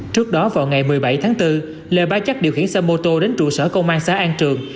trước đó vào ngày một mươi bảy tháng bốn lê bá chắc điều khiển xe mô tô đến trụ sở công an xã an trường